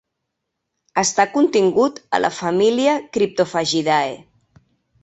Està contingut a la família Cryptophagidae.